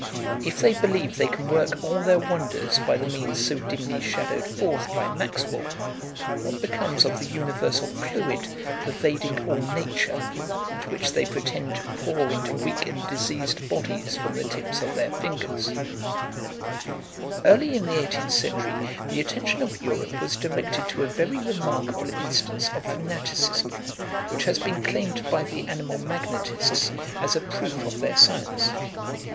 If they believe they can work all their wonders by the means so dimly shadowed forth by Maxwell, what becomes of the universal fluid pervading all nature, and which they pretend to pour into weak and diseased bodies from the tips of their fingers? Introduction to the Study of Animal Magnetism, p. 318. Early in the eighteenth century the attention of Europe was directed to a very remarkable instance of fanaticism, which has been claimed by the animal magnetists as a proof of their science.